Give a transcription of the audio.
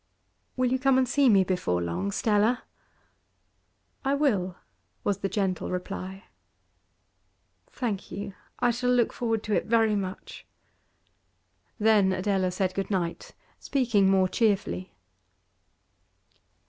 'Will you come and see me before long, Stella?' 'I will,' was the gentle reply. 'Thank you. I shall look forward to it very much.' Then Adela said good night, speaking more cheerfully.